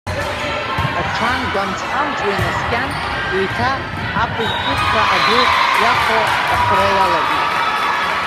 Аҽан гәамҵ-хамҵуа инаскьан, еиҭа аԥыжә-ԥыжәҳәа адәы иахо аҳәра иалагеит.